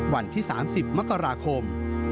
วันที่๓๐มกราคม